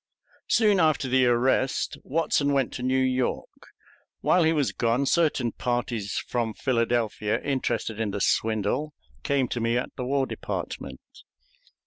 Soon after the arrest Watson went to New York. While he was gone, certain parties from Philadelphia interested in the swindle came to me at the War Department.